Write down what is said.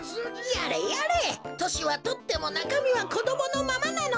やれやれとしはとってもなかみはこどものままなのだ。